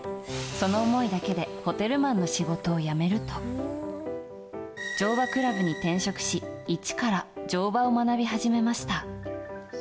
その思いだけでホテルマンの仕事を辞めると乗馬クラブに転職し一から乗馬を学び始めました。